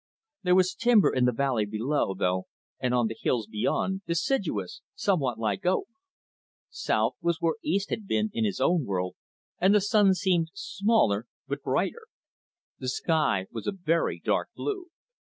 There was timber in the valley below, though, and on the hills beyond, deciduous, somewhat like oak. South was where east had been in his own world, and the sun seemed smaller, but brighter. The sky was a very dark blue.